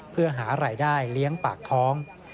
เพื่อหารายได้เลี้ยงปากท้อง